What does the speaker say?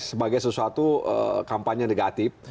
sebagai sesuatu kampanye negatif